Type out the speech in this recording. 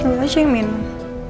lo aja yang minum